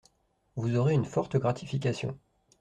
Vous aurez une forte gratification.